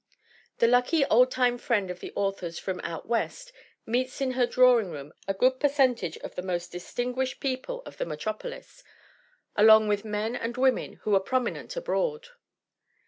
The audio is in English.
The lucky old time friend of the author's from 'out West' meets in her drawing room a good percentage of the most distinguished people of the metropolis, along with men and women who are prominent abroad."